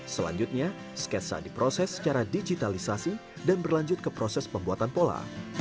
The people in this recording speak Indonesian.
selanjutnya sketsa diproses secara digitalisasi dan berlanjut ke proses pembuatan pola